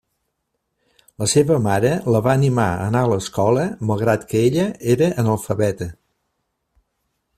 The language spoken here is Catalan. La seva mare la va animar a anar a l'escola, malgrat que ella era analfabeta.